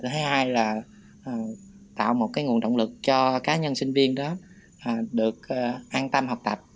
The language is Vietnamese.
thứ hai là tạo một nguồn động lực cho cá nhân sinh viên đó được an tâm học tập